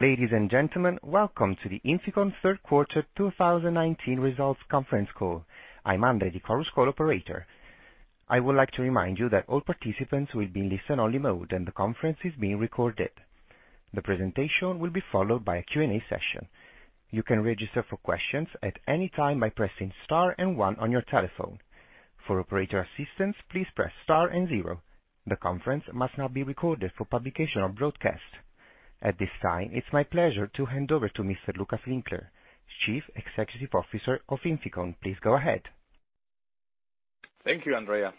Ladies and gentlemen, welcome to the INFICON third quarter 2019 results conference call. I'm Andrea, the Chorus Call operator. I would like to remind you that all participants will be in listen-only mode and the conference is being recorded. The presentation will be followed by a Q&A session. You can register for questions at any time by pressing Star and One on your telephone. For operator assistance, please press Star and Zero. The conference must now be recorded for publication or broadcast. At this time, it's my pleasure to hand over to Mr. Lukas Winkler, Chief Executive Officer of INFICON. Please go ahead. Thank you, Andrea.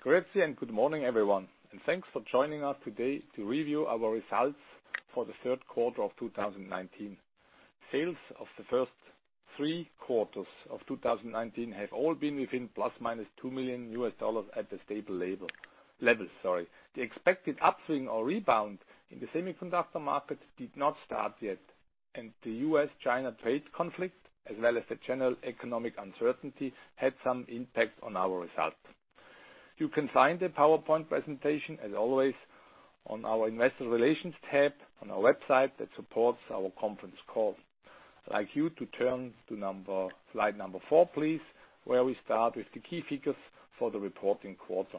Grazie, good morning, everyone. Thanks for joining us today to review our results for the third quarter of 2019. Sales of the first three quarters of 2019 have all been within plus minus $2 million at the stable level. The expected upswing or rebound in the semiconductor market did not start yet, and the U.S.-China trade conflict, as well as the general economic uncertainty, had some impact on our results. You can find the PowerPoint presentation, as always, on our investor relations tab on our website that supports our conference call. I'd like you to turn to slide number four, please, where we start with the key figures for the reporting quarter.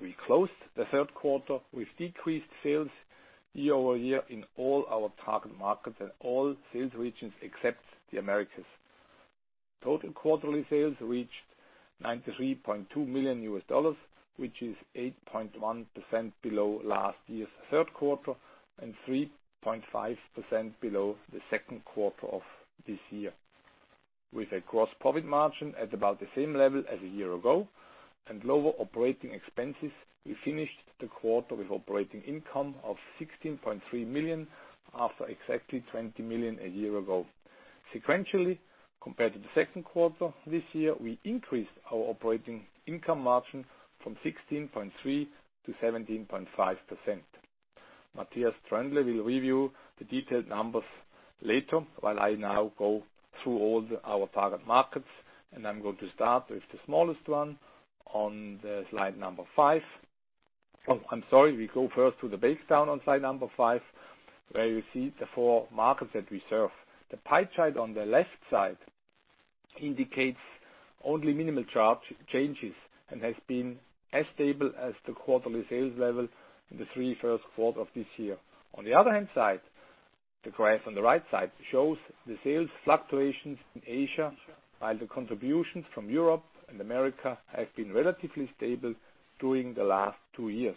We closed the third quarter with decreased sales year-over-year in all our target markets and all sales regions except the Americas. Total quarterly sales reached $93.2 million, which is 8.1% below last year's third quarter and 3.5% below the second quarter of this year. With a gross profit margin at about the same level as a year ago and lower operating expenses, we finished the quarter with operating income of $16.3 million after exactly $20 million a year ago. Sequentially, compared to the second quarter this year, we increased our operating income margin from 16.3% to 17.5%. Matthias Tröndle will review the detailed numbers later while I now go through all our target markets, and I'm going to start with the smallest one on slide number five. Oh, I'm sorry, we go first to the breakdown on slide number five, where you see the four markets that we serve. The pie chart on the left side indicates only minimal chart changes and has been as stable as the quarterly sales level in the three first quarter of this year. On the other hand side, the graph on the right side shows the sales fluctuations in Asia, while the contributions from Europe and America have been relatively stable during the last two years.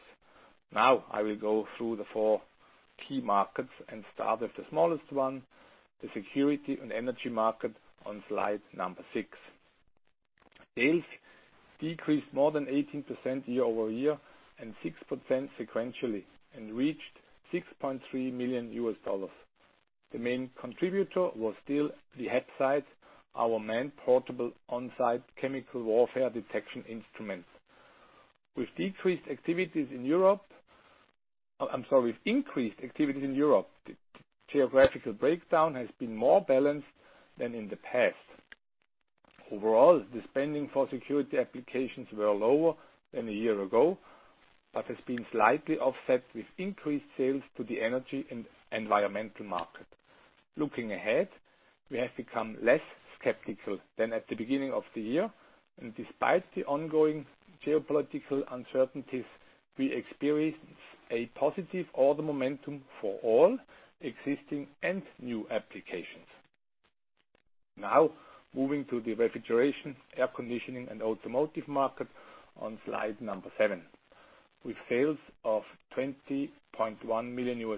Now I will go through the four key markets and start with the smallest one, the security and energy market, on slide number six. Sales decreased more than 18% year-over-year and 6% sequentially, and reached $6.3 million. The main contributor was still the HAPSITE, our main portable on-site chemical warfare detection instrument. With decreased activities in Europe I'm sorry, with increased activities in Europe, geographical breakdown has been more balanced than in the past. Overall, the spending for security applications were lower than a year ago, but has been slightly offset with increased sales to the energy and environmental market. Looking ahead, we have become less skeptical than at the beginning of the year, and despite the ongoing geopolitical uncertainties, we experienced a positive order momentum for all existing and new applications. Now, moving to the refrigeration, air conditioning, and automotive market on slide number seven. With sales of $20.1 million,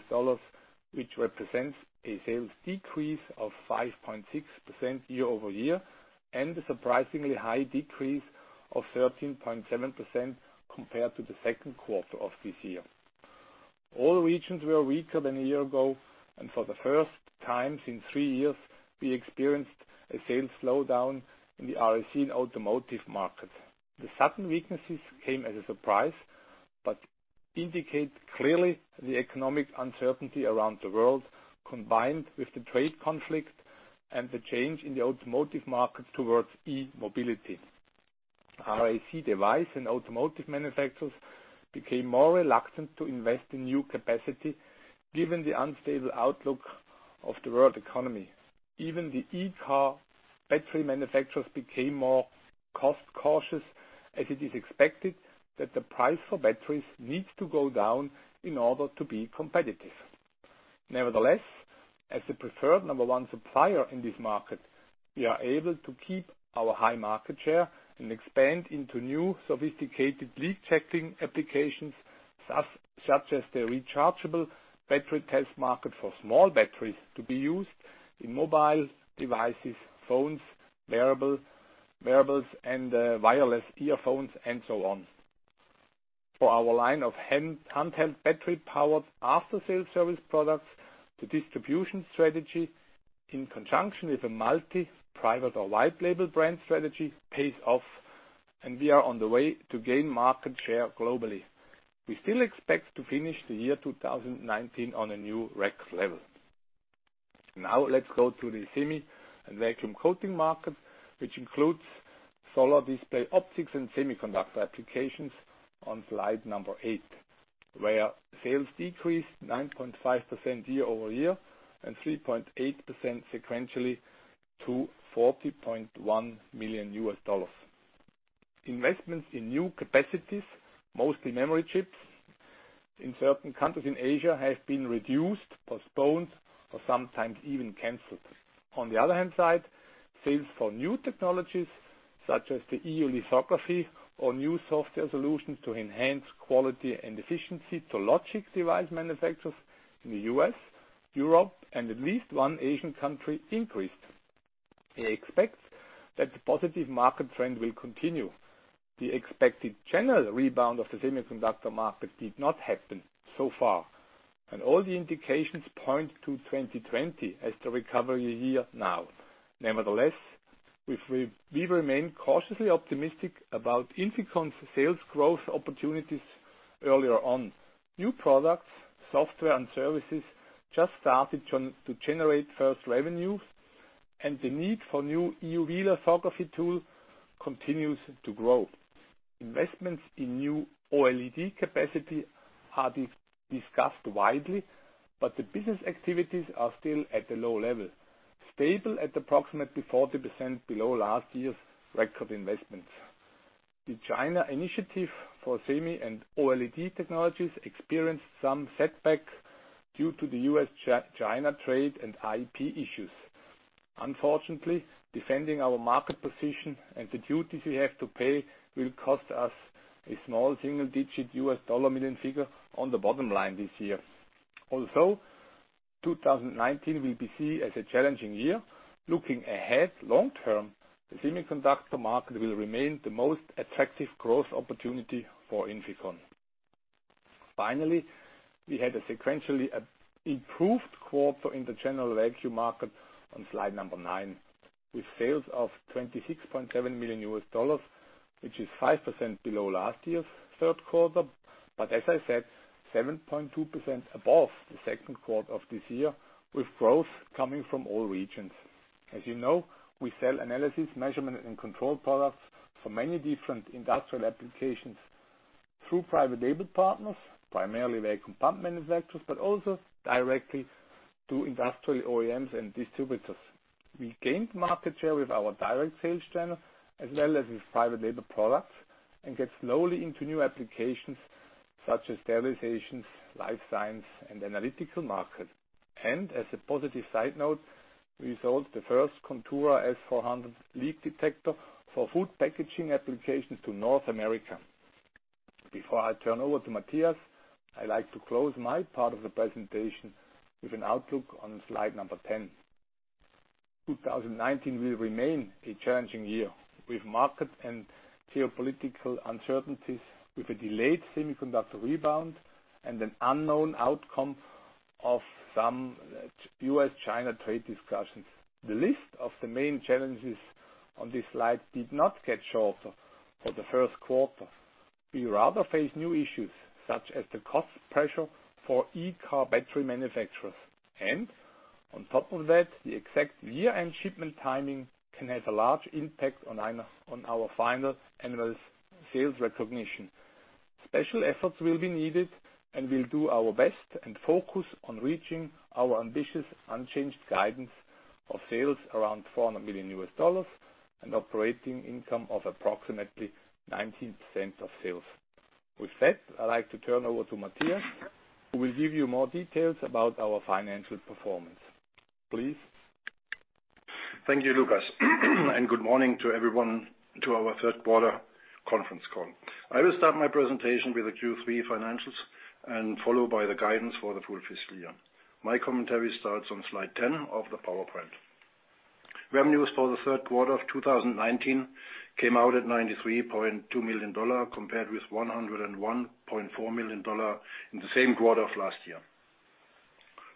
which represents a sales decrease of 5.6% year-over-year, and a surprisingly high decrease of 13.7% compared to the second quarter of this year. All regions were weaker than a year ago, and for the first time in three years, we experienced a sales slowdown in the RAC and automotive market. The sudden weaknesses came as a surprise, but indicate clearly the economic uncertainty around the world, combined with the trade conflict and the change in the automotive market towards e-mobility. RAC device and automotive manufacturers became more reluctant to invest in new capacity given the unstable outlook of the world economy. Even the e-car battery manufacturers became more cost-cautious as it is expected that the price for batteries needs to go down in order to be competitive. Nevertheless, as the preferred number one supplier in this market, we are able to keep our high market share and expand into new sophisticated leak-checking applications, such as the rechargeable battery test market for small batteries to be used in mobile devices, phones, wearables, and wireless earphones, and so on. For our line of handheld battery-powered after-sale service products, the distribution strategy, in conjunction with a multi private or wide label brand strategy, pays off. We are on the way to gain market share globally. We still expect to finish the year 2019 on a new record level. Let's go to the semi and vacuum coating market, which includes solar display optics and semiconductor applications on slide number eight, where sales decreased 9.5% year-over-year and 3.8% sequentially to $40.1 million USD. Investments in new capacities, mostly memory chips, in certain countries in Asia have been reduced, postponed, or sometimes even canceled. On the other hand side, sales for new technologies such as the EUV lithography or new software solutions to enhance quality and efficiency to logic device manufacturers in the U.S., Europe, and at least one Asian country increased. We expect that the positive market trend will continue. The expected general rebound of the semiconductor market did not happen so far, and all the indications point to 2020 as the recovery year now. Nevertheless, we remain cautiously optimistic about INFICON's sales growth opportunities earlier on. New products, software, and services just started to generate first revenues, and the need for new EUV lithography tool continues to grow. Investments in new OLED capacity are discussed widely, but the business activities are still at a low level, stable at approximately 40% below last year's record investments. The China initiative for semi and OLED technologies experienced some setback due to the U.S.-China trade and IP issues. Unfortunately, defending our market position and the duties we have to pay will cost us a small single-digit $ million figure on the bottom line this year. 2019 will be seen as a challenging year. Looking ahead long term, the semiconductor market will remain the most attractive growth opportunity for INFICON. We had a sequentially improved quarter in the general vacuum market on slide number nine with sales of $26.7 million, which is 5% below last year's third quarter, as I said, 7.2% above the second quarter of this year, with growth coming from all regions. As you know, we sell analysis, measurement, and control products for many different industrial applications through private label partners, primarily vacuum pump manufacturers, directly to industrial OEMs and distributors. We gained market share with our direct sales channel as well as with private label products and get slowly into new applications such as sterilizations, life science, and analytical markets. As a positive side note, we sold the first Contura S400 leak detector for food packaging applications to North America. Before I turn over to Matthias, I like to close my part of the presentation with an outlook on slide number 10. 2019 will remain a challenging year with market and geopolitical uncertainties, with a delayed semiconductor rebound, and an unknown outcome of some U.S.-China trade discussions. The list of the main challenges on this slide did not get shorter for the first quarter. We rather face new issues such as the cost pressure for e-car battery manufacturers. On top of that, the exact year-end shipment timing can have a large impact on our final annual sales recognition. Special efforts will be needed, and we'll do our best and focus on reaching our ambitious, unchanged guidance of sales around $400 million and operating income of approximately 19% of sales. With that, I'd like to turn over to Matthias, who will give you more details about our financial performance. Please. Thank you, Lukas. Good morning to everyone to our third quarter conference call. I will start my presentation with the Q3 financials and followed by the guidance for the full fiscal year. My commentary starts on slide 10 of the PowerPoint. Revenues for the third quarter of 2019 came out at $93.2 million compared with $101.4 million in the same quarter of last year.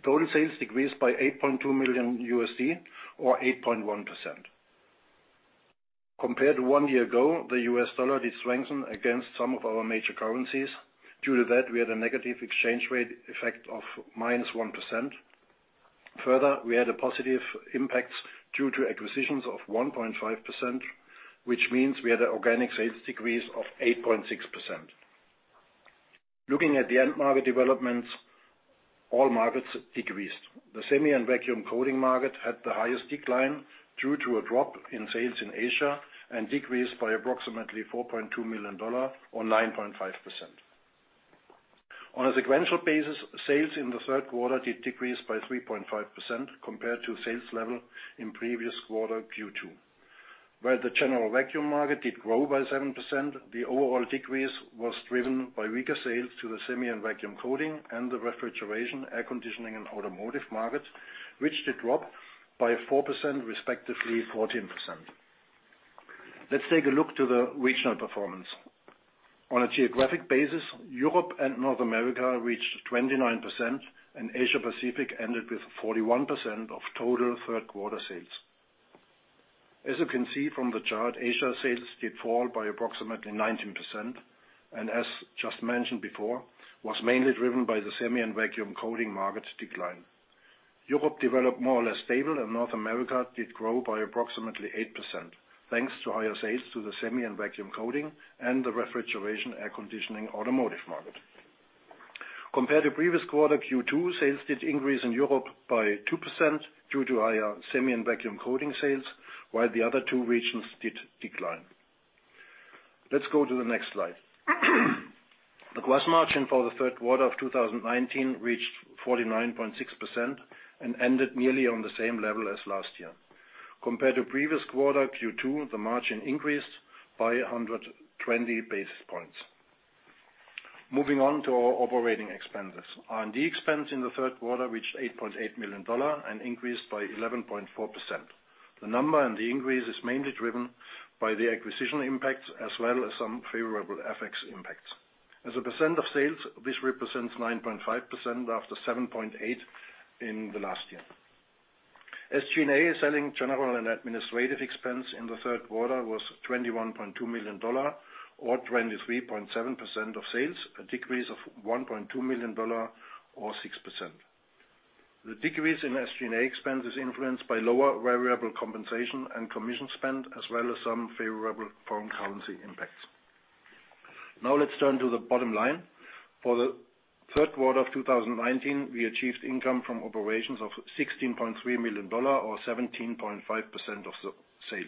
Total sales decreased by $8.2 million or 8.1%. Compared to one year ago, the US dollar did strengthen against some of our major currencies. Due to that, we had a negative exchange rate effect of -1%. Further, we had a positive impact due to acquisitions of 1.5%, which means we had an organic sales decrease of 8.6%. Looking at the end market developments, all markets decreased. The semi and vacuum coating market had the highest decline due to a drop in sales in Asia and decreased by approximately $4.2 million or 9.5%. On a sequential basis, sales in the third quarter did decrease by 3.5% compared to sales level in previous quarter Q2. While the general vacuum market did grow by 7%, the overall decrease was driven by weaker sales to the semi and vacuum coating and the refrigeration, air conditioning, and automotive markets, which did drop by 4%, respectively 14%. Let's take a look to the regional performance. On a geographic basis, Europe and North America reached 29%, and Asia Pacific ended with 41% of total third-quarter sales. As you can see from the chart, Asia sales did fall by approximately 19%, and as just mentioned before, was mainly driven by the semi and vacuum coating market decline. Europe developed more or less stable, and North America did grow by approximately 8%, thanks to higher sales to the semi and vacuum coating and the refrigeration air conditioning automotive market. Compared to previous quarter, Q2, sales did increase in Europe by 2% due to higher semi and vacuum coating sales, while the other two regions did decline. Let's go to the next slide. The gross margin for the third quarter of 2019 reached 49.6% and ended nearly on the same level as last year. Compared to previous quarter, Q2, the margin increased by 120 basis points. Moving on to our operating expenses. R&D expense in the third quarter reached $8.8 million and increased by 11.4%. The number and the increase is mainly driven by the acquisition impact, as well as some favorable FX impacts. As a percent of sales, this represents 9.5% after 7.8% in the last year. SG&A, selling, general, and administrative expense in the third quarter was $21.2 million or 23.7% of sales, a decrease of $1.2 million or 6%. The decrease in SG&A expense is influenced by lower variable compensation and commission spend, as well as some favorable foreign currency impacts. Now let's turn to the bottom line. For the third quarter of 2019, we achieved income from operations of $16.3 million or 17.5% of the sales.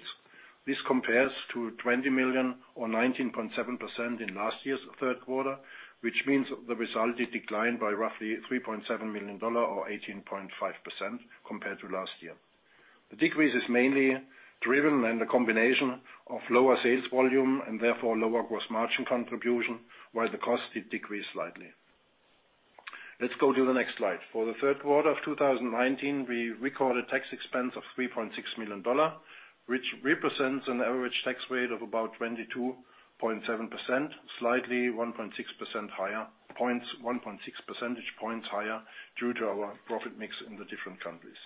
This compares to $20 million or 19.7% in last year's third quarter, which means the result did decline by roughly $3.7 million or 18.5% compared to last year. The decrease is mainly driven in the combination of lower sales volume and therefore lower gross margin contribution, while the cost did decrease slightly. Let's go to the next slide. For the third quarter of 2019, we recorded tax expense of $3.6 million, which represents an average tax rate of about 22.7%, slightly 1.6 percentage points higher due to our profit mix in the different countries.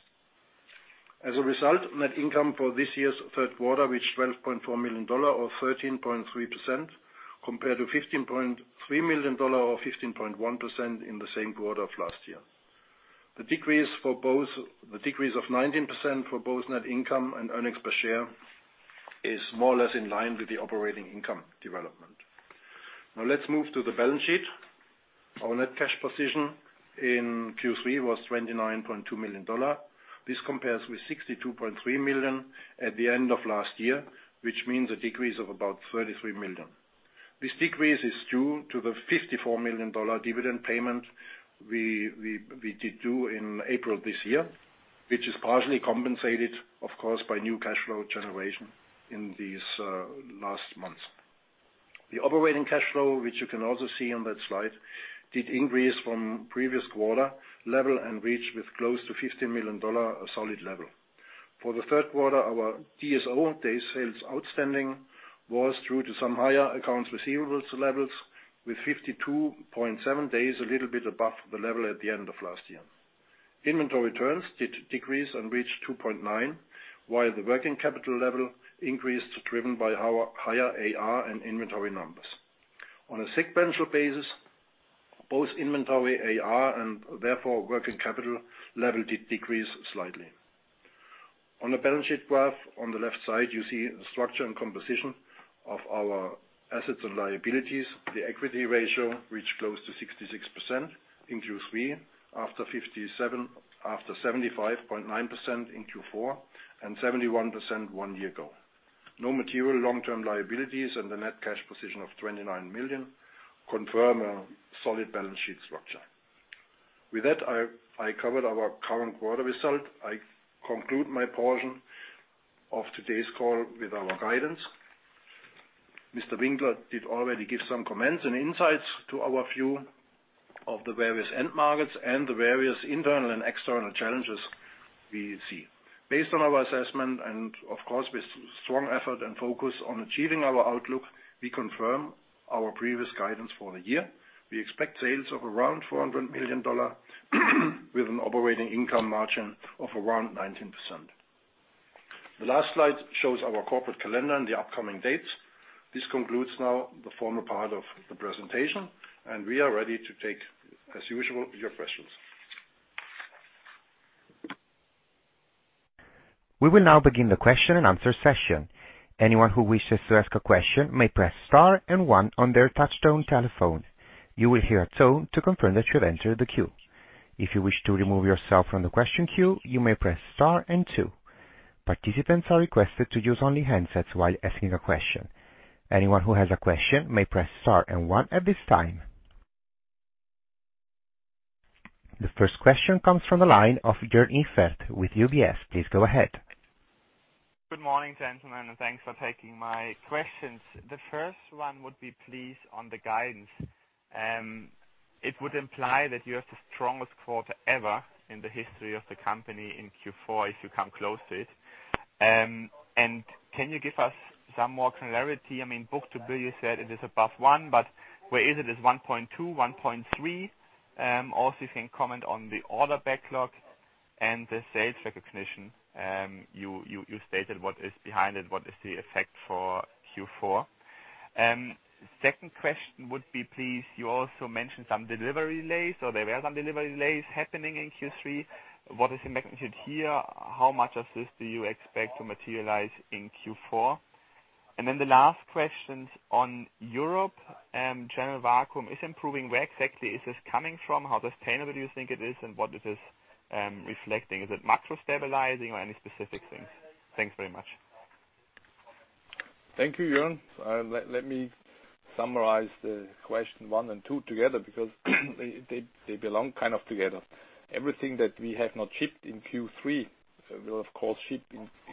Net income for this year's third quarter reached $12.4 million or 13.3%, compared to $15.3 million or 15.1% in the same quarter of last year. The decrease of 19% for both net income and earnings per share is more or less in line with the operating income development. Let's move to the balance sheet. Our net cash position in Q3 was $29.2 million. This compares with $62.3 million at the end of last year, which means a decrease of about $33 million. This decrease is due to the $54 million dividend payment we did do in April this year, which is partially compensated, of course, by new cash flow generation in these last months. The operating cash flow, which you can also see on that slide, did increase from previous quarter level and reached with close to $50 million a solid level. For the third quarter, our DSO, days sales outstanding, was due to some higher accounts receivables levels with 52.7 days, a little bit above the level at the end of last year. Inventory turns did decrease and reached 2.9, while the working capital level increased, driven by our higher AR and inventory numbers. On a sequential basis, both inventory, AR, and therefore working capital level did decrease slightly. On the balance sheet graph, on the left side, you see the structure and composition of our assets and liabilities. The equity ratio reached close to 66% in Q3 after 75.9% in Q4 and 71% one year ago. No material long-term liabilities and the net cash position of $29 million confirm a solid balance sheet structure. With that, I covered our current quarter result. I conclude my portion of today's call with our guidance. Mr. Winkler did already give some comments and insights to our view of the various end markets and the various internal and external challenges we see. Based on our assessment and, of course, with strong effort and focus on achieving our outlook, we confirm our previous guidance for the year. We expect sales of around $400 million with an operating income margin of around 19%. The last slide shows our corporate calendar and the upcoming dates. This concludes now the formal part of the presentation, and we are ready to take, as usual, your questions. We will now begin the question and answer session. Anyone who wishes to ask a question may press star and one on their touchtone telephone. You will hear a tone to confirm that you have entered the queue. If you wish to remove yourself from the question queue, you may press star and two. Participants are requested to use only handsets while asking a question. Anyone who has a question may press star and one at this time. The first question comes from the line of Joern Iffert with UBS. Please go ahead. Good morning, gentlemen, and thanks for taking my questions. The first one would be please on the guidance. It would imply that you have the strongest quarter ever in the history of the company in Q4 if you come close to it. Can you give us some more clarity? Book-to-bill, you said it is above one, but where is it? Is it 1.2, 1.3? Also, if you can comment on the order backlog and the sales recognition, you stated what is behind it, what is the effect for Q4. Second question would be, please, you also mentioned some delivery delays or there were some delivery delays happening in Q3. What is the magnitude here? How much of this do you expect to materialize in Q4? The last question is on Europe, general vacuum is improving. Where exactly is this coming from? How sustainable do you think it is, and what is this reflecting? Is it macro stabilizing or any specific things? Thanks very much. Thank you, Joern. Let me summarize the question 1 and 2 together because they belong together. Everything that we have not shipped in Q3, we'll of course ship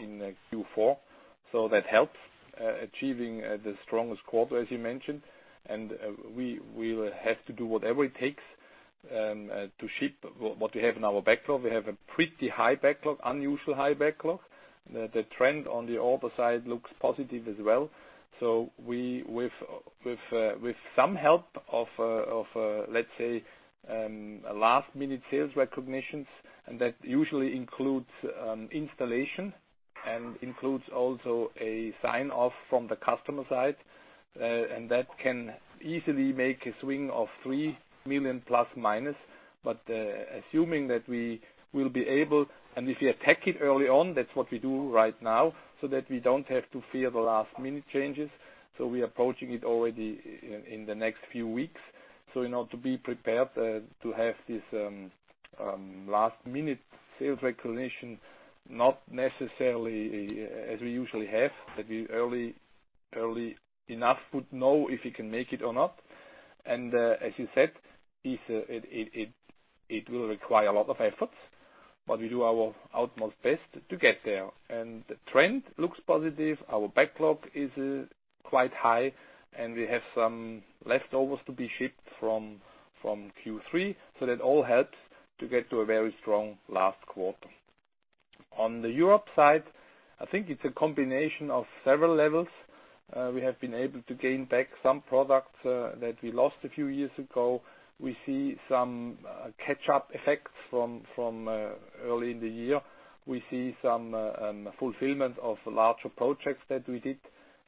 in Q4. That helps achieving the strongest quarter, as you mentioned, and we'll have to do whatever it takes to ship what we have in our backlog. We have a pretty high backlog, unusual high backlog. The trend on the order side looks positive as well. With some help of, let's say, last minute sales recognitions, and that usually includes installation and includes also a sign-off from the customer side, and that can easily make a swing of $3 million plus minus. Assuming that we will be able, and if you attack it early on, that's what we do right now, so that we don't have to fear the last minute changes. We are approaching it already in the next few weeks. In order to be prepared to have this last minute sales recognition, not necessarily as we usually have, that we early enough would know if we can make it or not. As you said, it will require a lot of efforts, but we do our utmost best to get there. The trend looks positive, our backlog is quite high, and we have some leftovers to be shipped from Q3, so that all helps to get to a very strong last quarter. On the Europe side, I think it's a combination of several levels. We have been able to gain back some products that we lost a few years ago. We see some catch-up effects from early in the year. We see some fulfillment of larger projects that we did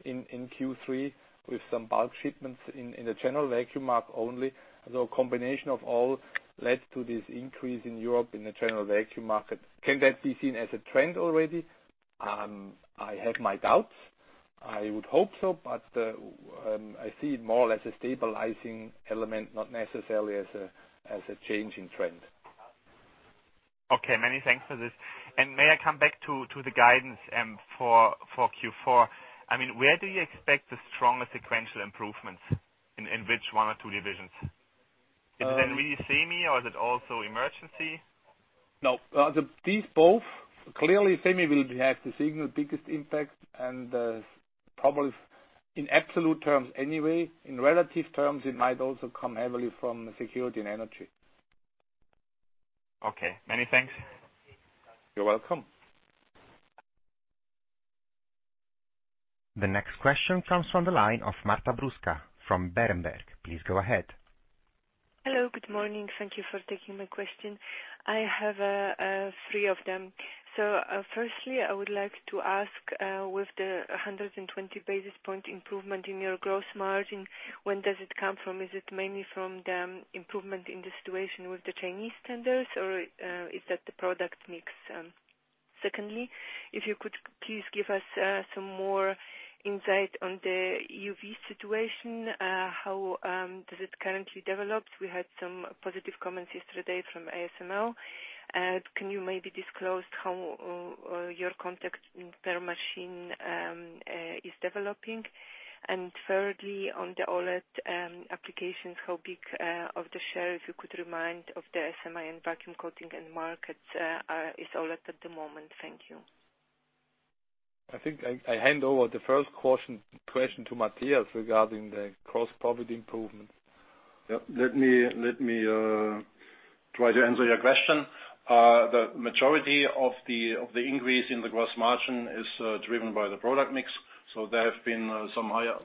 in Q3 with some bulk shipments in the general vacuum market only. The combination of all led to this increase in Europe in the general vacuum market. Can that be seen as a trend already? I have my doubts. I would hope so, but I see it more or less a stabilizing element, not necessarily as a changing trend. Okay, many thanks for this. May I come back to the guidance for Q4? Where do you expect the strongest sequential improvements, in which one or two divisions? Is that really SEMI or is it also e-mobility? No, these both. Clearly, SEMI will have the single biggest impact and probably in absolute terms anyway. In relative terms, it might also come heavily from security and energy. Okay. Many thanks. You're welcome. The next question comes from the line of Marta Bruska from Berenberg. Please go ahead. Hello, good morning. Thank you for taking my question. I have three of them. Firstly, I would like to ask, with the 120 basis point improvement in your gross margin, when does it come from? Is it mainly from the improvement in the situation with the Chinese tenders, or is that the product mix? Secondly, if you could please give us some more insight on the EUV situation, how does it currently develop? We had some positive comments yesterday from ASML. Can you maybe disclose how your contact per machine is developing? Thirdly, on the OLED applications, how big of the share, if you could remind, of the semi and vacuum coating end markets is OLED at the moment? Thank you. I think I hand over the first question to Matthias regarding the gross profit improvement. Yep. Let me try to answer your question. The majority of the increase in the gross margin is driven by the product mix, so there have been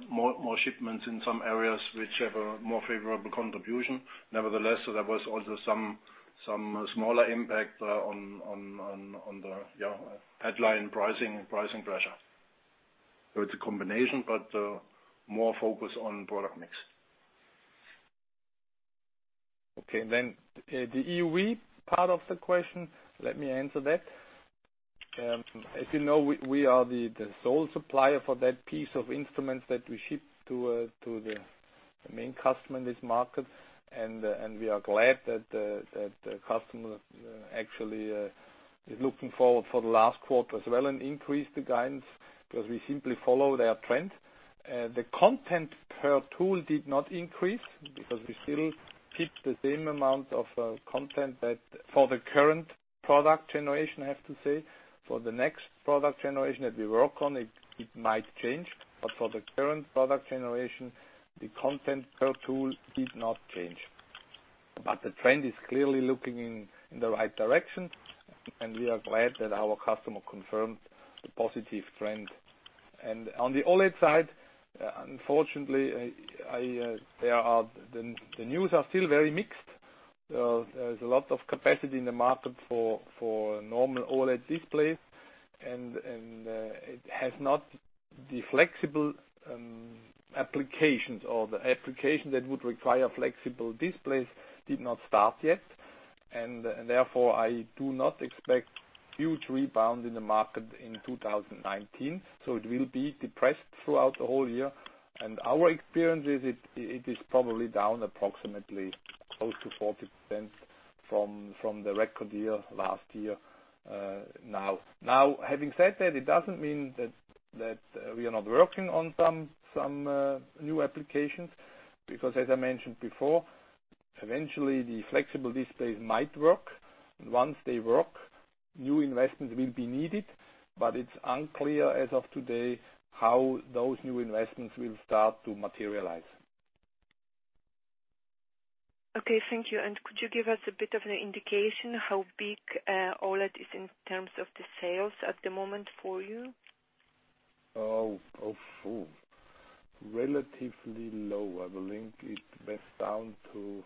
more shipments in some areas which have a more favorable contribution. Nevertheless, there was also some smaller impact on the headline pricing pressure. It's a combination, but more focus on product mix. Okay. The EUV part of the question, let me answer that. As you know, we are the sole supplier for that piece of instruments that we ship to the main customer in this market. We are glad that the customer actually is looking forward for the last quarter as well and increased the guidance, because we simply follow their trend. The content per tool did not increase because we still keep the same amount of content that for the current product generation, I have to say. For the next product generation that we work on, it might change, but for the current product generation, the content per tool did not change. The trend is clearly looking in the right direction, and we are glad that our customer confirmed the positive trend. On the OLED side, unfortunately, the news are still very mixed. There's a lot of capacity in the market for normal OLED displays, and the flexible applications or the application that would require flexible displays did not start yet. Therefore, I do not expect huge rebound in the market in 2019. It will be depressed throughout the whole year. Our experience is it is probably down approximately close to 40% from the record year last year now. Having said that, it doesn't mean that we are not working on some new applications because, as I mentioned before, eventually the flexible displays might work. Once they work, new investments will be needed, but it's unclear as of today how those new investments will start to materialize. Okay, thank you. Could you give us a bit of an indication how big OLED is in terms of the sales at the moment for you? Oh, phew. Relatively low. I believe it went down to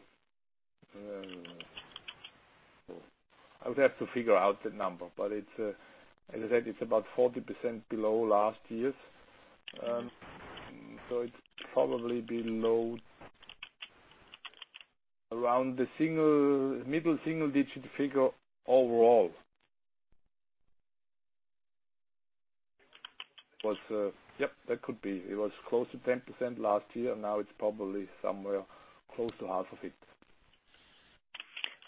I would have to figure out the number. As I said, it's about 40% below last year's. It's probably below around the middle single-digit figure overall. Yep, that could be. It was close to 10% last year. It's probably somewhere close to half of it.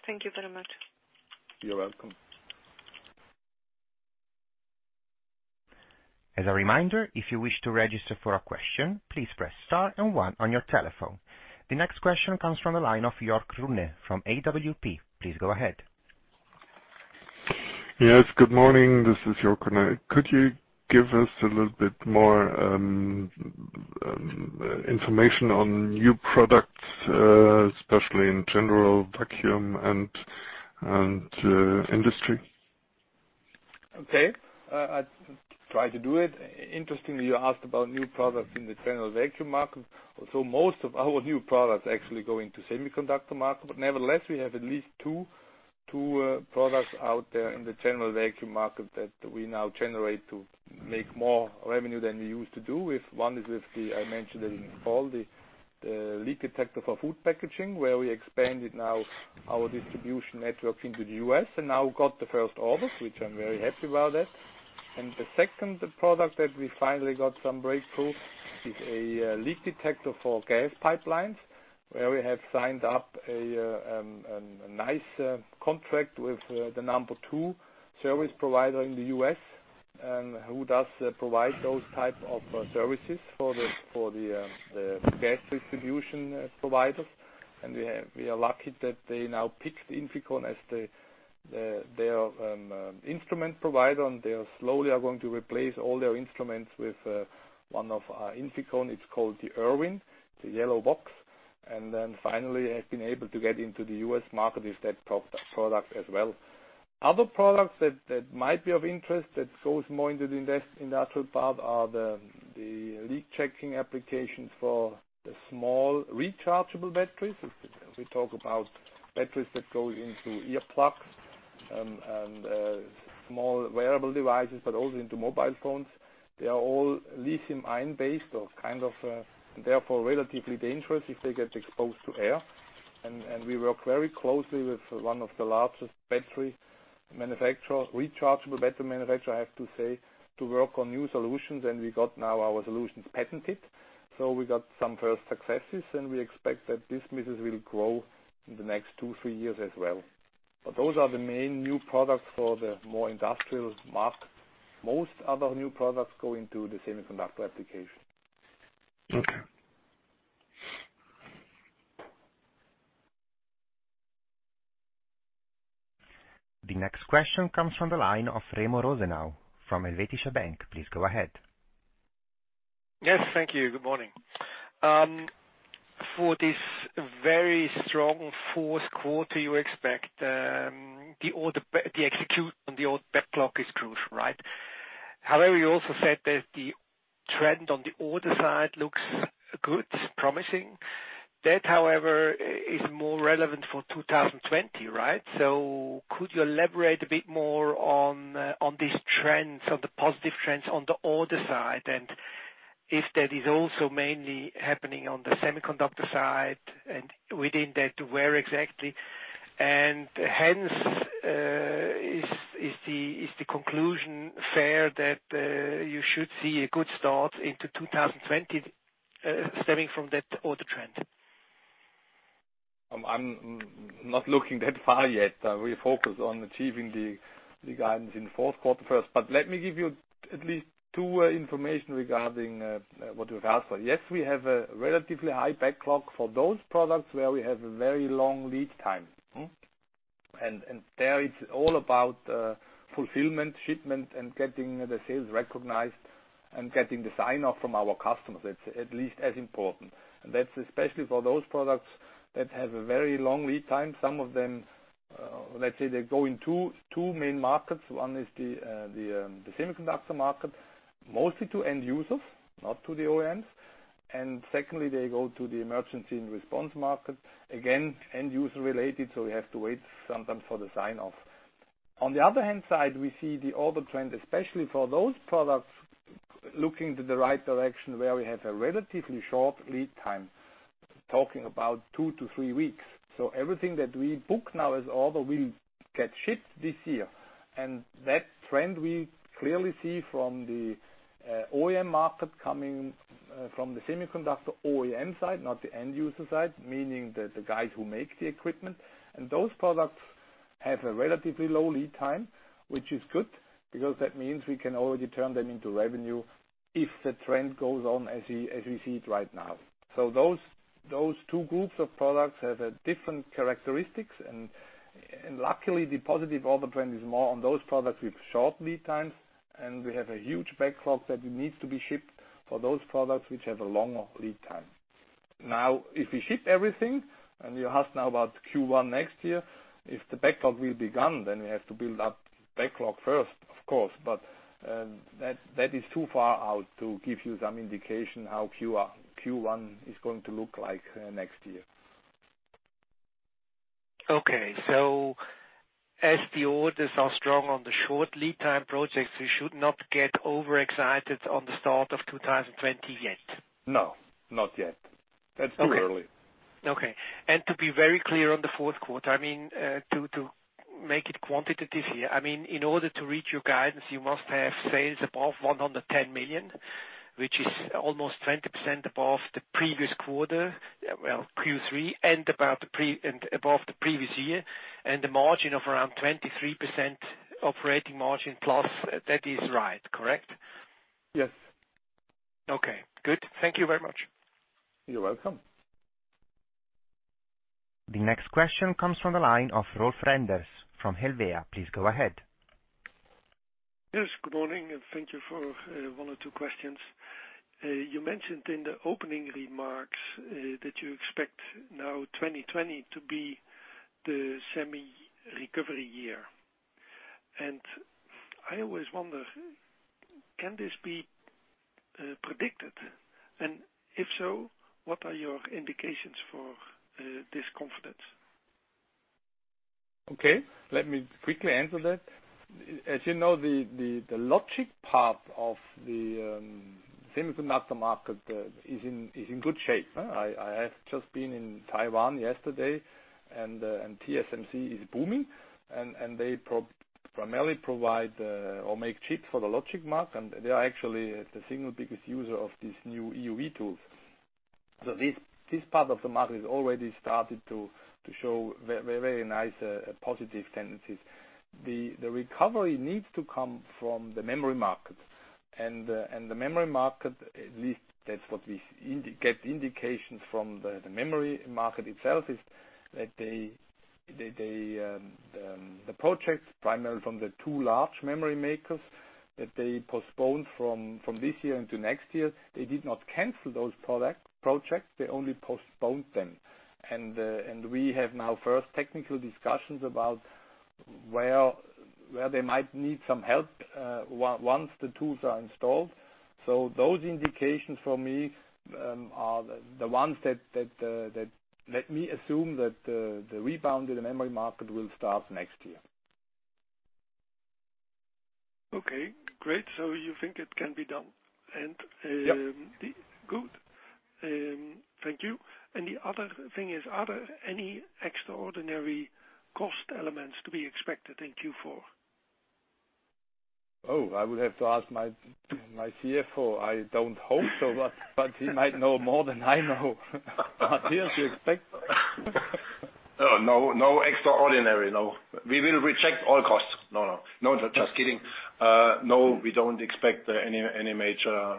Thank you very much. You're welcome. As a reminder, if you wish to register for a question, please press star and one on your telephone. The next question comes from the line of York Runne from AWP. Please go ahead. Yes, good morning. This is York Ruhnne. Could you give us a little bit more information on new products, especially in general vacuum and industry? Okay. I try to do it. Interestingly, you asked about new products in the general vacuum market, although most of our new products actually go into semiconductor market. Nevertheless, we have at least two products out there in the general vacuum market that we now generate to make more revenue than we used to do. One is with the, I mentioned it in fall, the leak detector for food packaging, where we expanded now our distribution network into the U.S. and now got the first orders, which I'm very happy about that. The second product that we finally got some breakthrough is a leak detector for gas pipelines, where we have signed up a nice contract with the number 2 service provider in the U.S., who does provide those type of services for the gas distribution providers. We are lucky that they now picked INFICON as their instrument provider, and they slowly are going to replace all their instruments with one of INFICON. It's called the IRwin, the yellow box. Finally have been able to get into the U.S. market with that product as well. Other products that might be of interest that goes more into the industrial part are the leak checking applications for small rechargeable batteries. As we talk about batteries that go into ear plugs and small wearable devices, but also into mobile phones. They are all lithium-ion based or kind of, therefore, relatively dangerous if they get exposed to air. We work very closely with one of the largest battery manufacturer, rechargeable battery manufacturer, I have to say, to work on new solutions. We got now our solutions patented. We got some first successes, and we expect that this business will grow in the next two, three years as well. Those are the main new products for the more industrial market. Most other new products go into the semiconductor application. Okay. The next question comes from the line of Remo Rosenau from Helvetische Bank. Please go ahead. Yes, thank you. Good morning. For this very strong fourth quarter you expect, the execute on the old backlog is crucial, right? However, you also said that the trend on the order side looks good, promising. That, however, is more relevant for 2020, right? Could you elaborate a bit more on these trends or the positive trends on the order side? If that is also mainly happening on the semiconductor side, and within that, where exactly? Hence, is the conclusion fair that you should see a good start into 2020 stemming from that order trend? I'm not looking that far yet. We focus on achieving the guidance in fourth quarter first. Let me give you at least two information regarding what you've asked for. Yes, we have a relatively high backlog for those products where we have a very long lead time. There it's all about fulfillment, shipment, and getting the sales recognized and getting the sign-off from our customers. That's at least as important. That's especially for those products that have a very long lead time. Some of them, let's say they go in two main markets. One is the semiconductor market, mostly to end users, not to the OEMs. Secondly, they go to the emergency and response market. Again, end-user related, so we have to wait sometimes for the sign-off. On the other hand side, we see the order trend, especially for those products looking to the right direction, where we have a relatively short lead time, talking about two to three weeks. Everything that we book now as order will get shipped this year. That trend we clearly see from the OEM market coming from the semiconductor OEM side, not the end user side, meaning the guys who make the equipment. Those products have a relatively low lead time, which is good because that means we can already turn them into revenue if the trend goes on as we see it right now. Those two groups of products have different characteristics, and luckily, the positive order trend is more on those products with short lead times, and we have a huge backlog that needs to be shipped for those products, which have a longer lead time. If we ship everything, and you ask now about Q1 next year, if the backlog will be gone, then we have to build up backlog first, of course. That is too far out to give you some indication how Q1 is going to look like next year. Okay. As the orders are strong on the short lead time projects, we should not get overexcited on the start of 2020 yet? No, not yet. That's too early. Okay. To be very clear on the fourth quarter, to make it quantitative here, in order to reach your guidance, you must have sales above $110 million, which is almost 20% above the previous quarter, well, Q3, and above the previous year, and a margin of around 23% operating margin plus. That is right, correct? Yes. Okay, good. Thank You very much. You're welcome. The next question comes from the line of Rolf Renders from Helvea. Please go ahead. Yes, good morning, and thank you for one or two questions. You mentioned in the opening remarks that you expect now 2020 to be the semi-recovery year. I always wonder, can this be predicted? If so, what are your indications for this confidence? Okay, let me quickly answer that. As you know, the logic part of the semiconductor market is in good shape. I have just been in Taiwan yesterday. TSMC is booming. They primarily provide or make chips for the logic market, and they are actually the single biggest user of these new EUV tools. This part of the market has already started to show very nice positive tendencies. The recovery needs to come from the memory market, and the memory market, at least that's what we get indications from the memory market itself, is that the projects primarily from the two large memory makers, that they postponed from this year into next year. They did not cancel those projects. They only postponed them. We have now first technical discussions about where they might need some help once the tools are installed. Those indications for me are the ones that let me assume that the rebound in the memory market will start next year. Okay, great. You think it can be done? Yep. Good. Thank you. The other thing is, are there any extraordinary cost elements to be expected in Q4? Oh, I would have to ask my CFO. I don't hope so. He might know more than I know. Matthias, you expect? No, no extraordinary, no. We will reject all costs. No, just kidding. No, we don't expect any major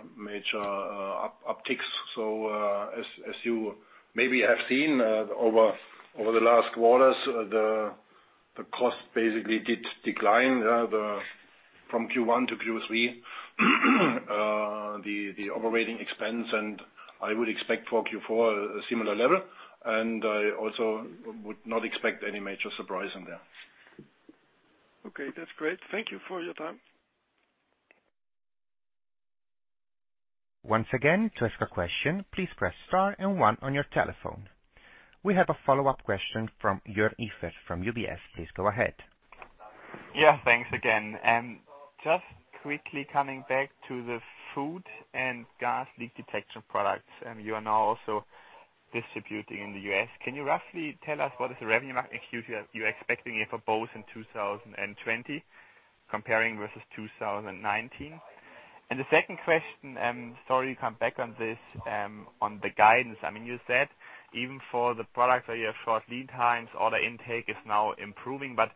upticks. As you maybe have seen over the last quarters, the cost basically did decline from Q1 to Q3, the operating expense, and I would expect for Q4 a similar level, and I also would not expect any major surprise in there. Okay, that's great. Thank you for your time. Once again, to ask a question, please press star and one on your telephone. We have a follow-up question from Joern Iffert from UBS. Please go ahead. Yeah, thanks again. Just quickly coming back to the food and gas leak detection products, and you are now also distributing in the U.S. Can you roughly tell us what is the revenue you're expecting here for both in 2020 comparing versus 2019? The second question, sorry to come back on this, on the guidance. You said even for the products where you have short lead times, order intake is now improving, but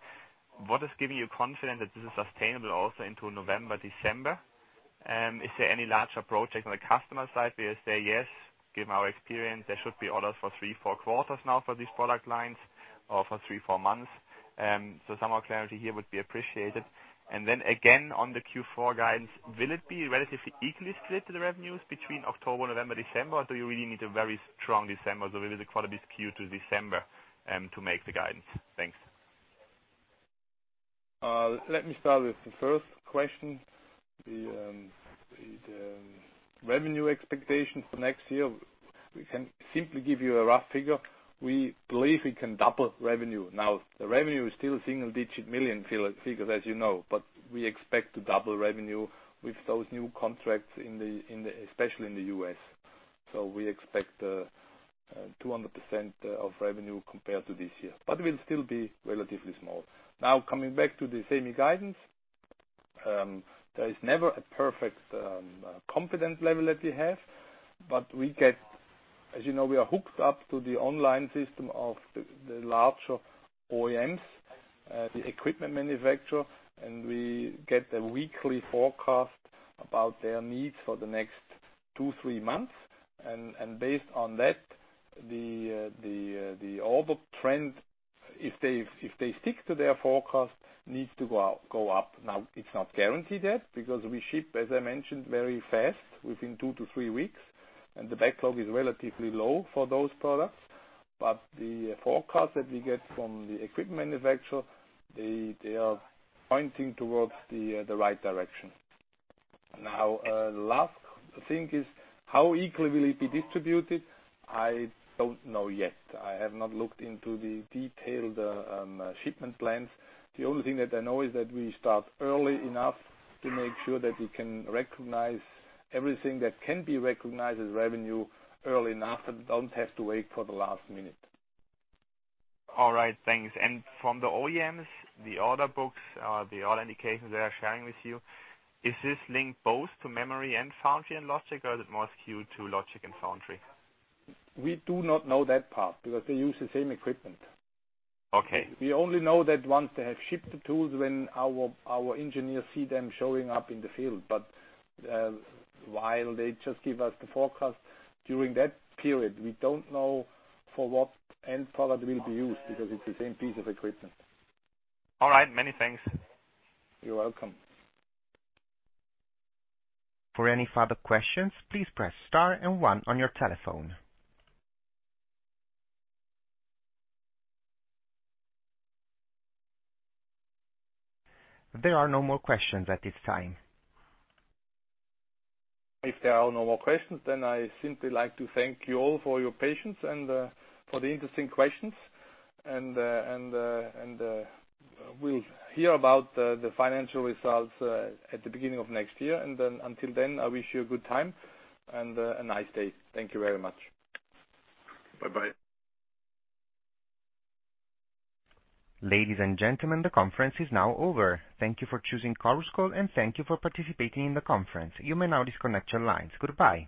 what is giving you confidence that this is sustainable also into November, December? Is there any larger project on the customer side where you say, "Yes, given our experience, there should be orders for three, four quarters now for these product lines or for three, four months"? Some more clarity here would be appreciated. Then again, on the Q4 guidance, will it be relatively equally split to the revenues between October, November, December? Do you really need a very strong December? Will the quality be skewed to December to make the guidance? Thanks. Let me start with the first question, the revenue expectation for next year. We can simply give you a rough figure. We believe we can double revenue. The revenue is still single-digit million figures, as you know, but we expect to double revenue with those new contracts especially in the U.S. We expect 200% of revenue compared to this year. We'll still be relatively small. Coming back to the semi guidance. There is never a perfect confidence level that we have, but as you know, we are hooked up to the online system of the larger OEMs, the equipment manufacturer, and we get a weekly forecast about their needs for the next two, three months. Based on that, the order trend, if they stick to their forecast, needs to go up. It's not guaranteed yet because we ship, as I mentioned, very fast, within two to three weeks, and the backlog is relatively low for those products. The forecast that we get from the equipment manufacturer, they are pointing towards the right direction. Last thing is how equally will it be distributed? I don't know yet. I have not looked into the detailed shipment plans. The only thing that I know is that we start early enough to make sure that we can recognize everything that can be recognized as revenue early enough, and don't have to wait for the last minute. All right. Thanks. From the OEMs, the order books, the order indications they are sharing with you, is this linked both to memory and foundry and logic, or is it more skewed to logic and foundry? We do not know that part because they use the same equipment. Okay. We only know that once they have shipped the tools, when our engineers see them showing up in the field. While they just give us the forecast, during that period, we don't know for what end product will be used because it's the same piece of equipment. All right. Many thanks. You're welcome. For any further questions, please press Star and One on your telephone. There are no more questions at this time. If there are no more questions, then I simply like to thank you all for your patience and for the interesting questions. We'll hear about the financial results at the beginning of next year. Until then, I wish you a good time and a nice day. Thank you very much. Bye. Bye. Ladies and gentlemen, the conference is now over. Thank you for choosing Chorus Call, and thank you for participating in the conference. You may now disconnect your lines. Goodbye.